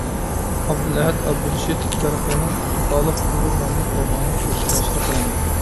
ئابدۇلئەھەد ئابدۇرېشىت بەرقىنىڭ «ئابدۇخالىق ئۇيغۇر» ناملىق رومانى تۈركچە نەشر قىلىندى.